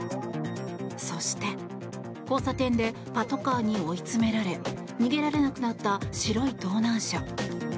そして、交差点でパトカーに追い詰められ逃げられなくなった白い盗難車。